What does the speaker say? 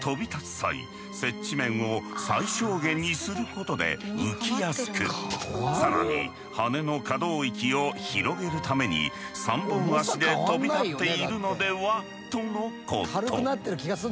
際接地面を最小限にすることで浮きやすく更に羽の可動域を広げるために三本脚で飛び立っているのでは？とのこと。